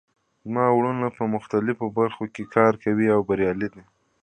زما وروڼه په مختلفو برخو کې کار کوي او بریالي دي